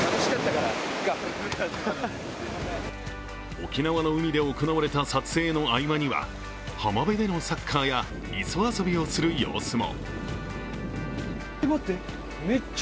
沖縄の海で行われた撮影の合間には浜辺でのサッカーや磯遊びをする様子も。